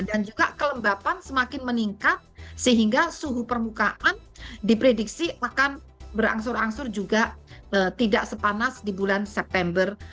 dan juga kelembapan semakin meningkat sehingga suhu permukaan diprediksi akan berangsur angsur juga tidak sepanas di bulan september